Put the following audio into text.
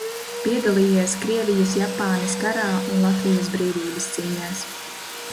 Piedalījies Krievijas–Japānas karā un Latvijas brīvības cīņās.